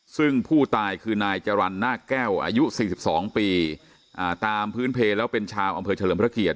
ซึ่งผู้ตายคือนายจรรย์หน้าแก้วอายุ๔๒ปีตามพื้นเพลแล้วเป็นชาวอำเภอเฉลิมพระเกียรติ